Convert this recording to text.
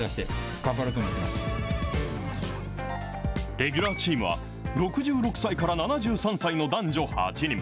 レギュラーチームは６６歳から７３歳の男女８人。